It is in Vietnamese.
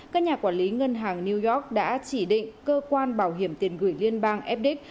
các nhà quản lý ngân hàng new york đã chỉ định cơ quan bảo hiểm tiền gửi liên bang fd